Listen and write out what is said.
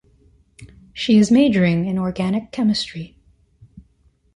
She is majoring in organic chemistry.